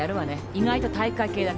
意外と体育会系だから。